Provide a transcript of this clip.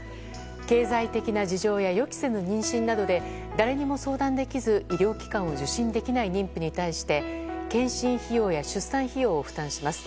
経済的な事情や予期せぬ妊娠などで誰にも相談できず医療機関を受診できない妊婦に対して健診費用や出産費用を負担します。